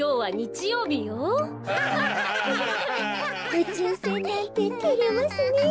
うちゅうせんなんててれますねえ。